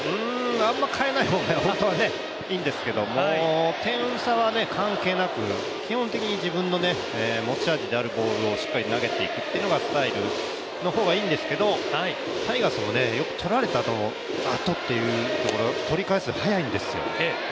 あんまり変えない方は本当はいいんですけど、関係なく、基本的に自分たちの持ち味であるボールをしっかり投げていくっていうのがスタイルの方がいいんですけどタイガースもよく取られたあとというのが、取り返し早いんですよ。